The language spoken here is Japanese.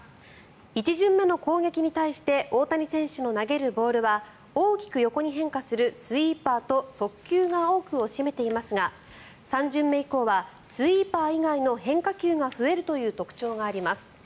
１巡目の攻撃に対して大谷選手の投げるボールは大きく横に変化するスイーパーと速球が多くを占めていますが３巡目以降はスイーパー以外の変化球が増えるという特徴があります。